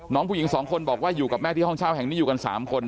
น้องผู้หญิง๒คนบอกว่าอยู่กับแม่ที่ห้องเช่าแห่งนี้อยู่กัน๓คน